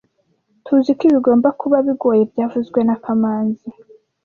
Tuziko ibi bigomba kuba bigoye byavuzwe na kamanzi